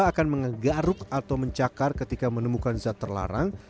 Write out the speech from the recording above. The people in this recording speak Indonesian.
akan menggaruk atau mencakar ketika menemukan zat terlarang